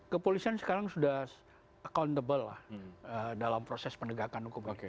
kepolisian sekarang sudah accountable dalam proses penegakan hukum